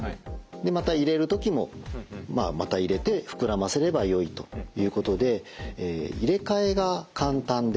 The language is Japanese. また入れる時もまた入れて膨らませればよいということで入れ替えが簡単であると。